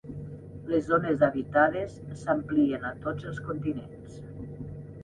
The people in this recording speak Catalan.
Les zones habitades s'amplien a tots els continents.